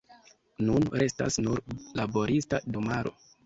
Nun restas nur laborista domaro.